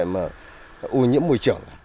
làm ưu nhiễm môi trường